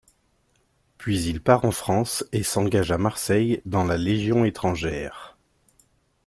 Puis il part en France et s’engage à Marseille dans la Légion étrangère.